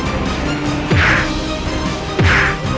saya akan menjaga kebenaran raden